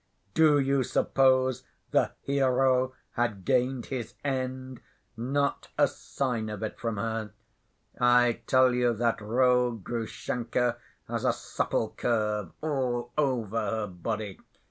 Do you suppose the hero had gained his end? Not a sign of it from her. I tell you that rogue, Grushenka, has a supple curve all over her body.